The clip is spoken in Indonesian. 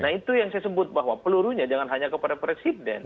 nah itu yang saya sebut bahwa pelurunya jangan hanya kepada presiden